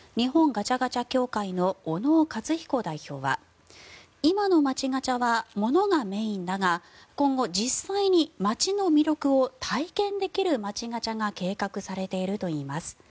ガチャガチャ協会の小野尾勝彦代表は今の街ガチャは物がメインだが今後、実際に街の魅力を体験できる街ガチャが計画されているといいます。